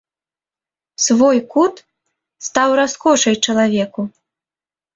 Свой кут стаў раскошай чалавеку.